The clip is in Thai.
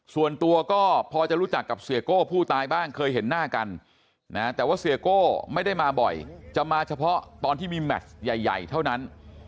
ส่วนตัวก็พอจะรู้จักกับเสียโก้ผู้ตายบ้างเคยเห็นหน้ากันนะแต่ว่าเสียโก้ไม่ได้มาบ่อยจะมาเฉพาะตอนที่มีแมชใหญ่เท่านั้น